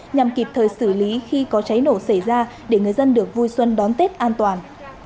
nhằm kịp thời xử lý khi có cháy nổ xảy ra để người dân được vui xuân đón tết an toàn